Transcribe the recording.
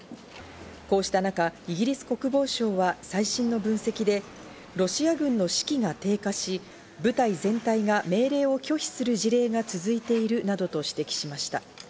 こうした中、イギリス国防省は最新の分析で、ロシア軍の士気が低下し、部隊全体が命令を拒否する事例が続いているなどと指摘しました。